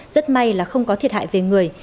rất may là không có thiệt hại về người